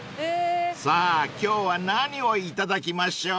［さあ今日は何をいただきましょう］